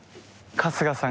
春日さん。